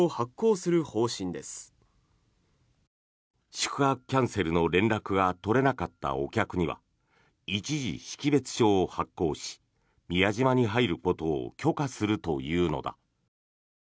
宿泊キャンセルの連絡が取れなかったお客には一時識別証を発行し宮島に入ることを許可するというのだ。